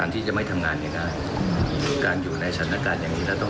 ที่มันในบานยังการที่จะให้พวกมันสมบัติใจขึ้น